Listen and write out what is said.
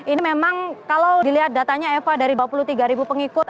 ini memang kalau dilihat datanya eva dari dua puluh tiga pengikut